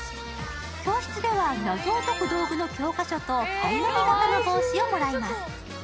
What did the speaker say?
教室では謎を解く道具の教科書とパイの実形の帽子をいただきます。